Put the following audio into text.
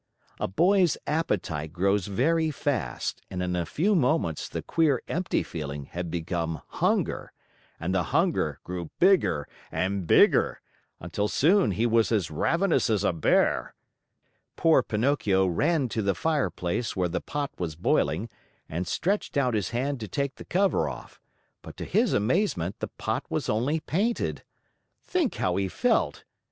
A boy's appetite grows very fast, and in a few moments the queer, empty feeling had become hunger, and the hunger grew bigger and bigger, until soon he was as ravenous as a bear. Poor Pinocchio ran to the fireplace where the pot was boiling and stretched out his hand to take the cover off, but to his amazement the pot was only painted! Think how he felt!